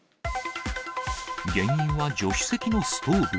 原因は助手席のストーブ？